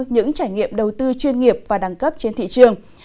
những trải nghiệm đầu tư chuyên nghiệp và đẳng cấp trên thị trường